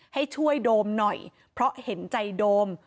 ให้ช่วยโดมหน่อยเพราะเห็นใจโดม